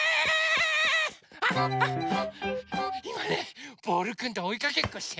あっいまねボールくんとおいかけっこしてるの。